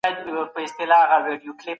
د بشري مرستو وېش باید عادلانه او شفاف وي.